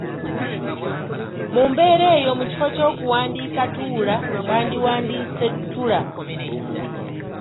Mu mbeera eyo, mu kifo ky’okuwandiika ‘Tuula’ bandiwandiise ‘Ttula’.